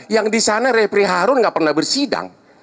yang disana repri harun gak pernah bersidang